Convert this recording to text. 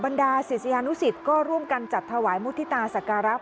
บรรดาศิษยานุสิทธิ์ก็ร่วมกันจัดถวายมุฒิตาสัการักษ์